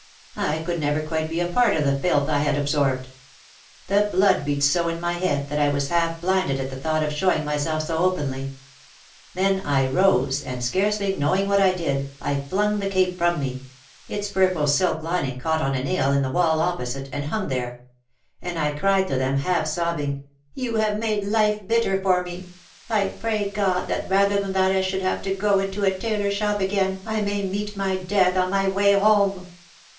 I could never quite be a part of the filth I had absorbed. The blood beat so in my head that I was half blinded at the thought of showing myself so openly. Then I rose, and scarcely knowing what I did, I flung the cape from me; its purple silk lining caught on a nail, in the wall opposite, and hung there — and I cried to them half sobbing, "You have made life bitter for me. I pray God that rather than that I should have to go into a tailor shop again I may meet my death on my way home."